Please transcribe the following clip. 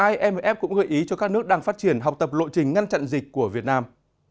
imf cũng gợi ý cho các nước đang phát triển học tập lộ trình ngăn chặn dịch của việt nam